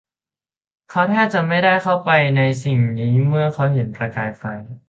เขาแทบจะไม่ได้เข้าไปในสิ่งนี้เมื่อเขาเห็นประกายไฟ